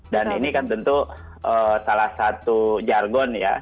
dan ini kan tentu salah satu jargon ya